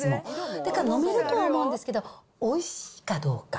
だから飲めるとは思うんですけど、おいしいかどうか。